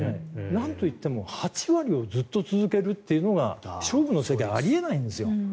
なんといっても８割をずっと続けるっていうのが勝負の世界じゃあり得ないんですよ。